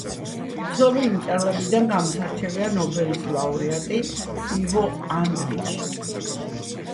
ცნობილი მწერლებიდან გამოსარჩევია ნობელის ლაურეატი ივო ანდრიჩი.